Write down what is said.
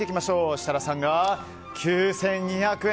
設楽さんが９２００円。